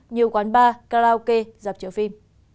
như quán bar karaoke dạp triệu phim